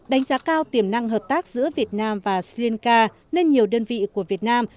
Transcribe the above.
đánh giá cao tiềm năng hợp tác giữa việt nam và sri lanka nên nhiều đơn vị của việt nam